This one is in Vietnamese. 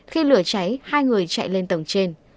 khi lửa cháy hai người chạy lên tầng trên